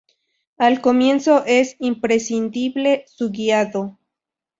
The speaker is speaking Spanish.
Al comienzo es imprescindible su guiado.